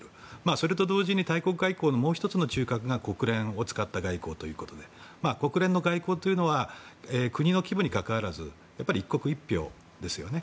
それと同時に、大国外交のもう１つの中核が国連を使った外交ということで国連の外交というのは国の規模にかかわらず１国１票ですよね。